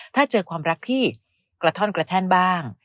ถ้าเจอความรักที่กระท่อนกระแท่นบ้าง